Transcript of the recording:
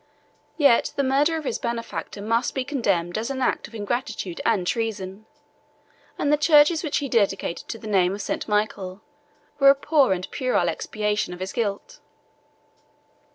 Yet the murder of his benefactor must be condemned as an act of ingratitude and treason; and the churches which he dedicated to the name of St. Michael were a poor and puerile expiation of his guilt.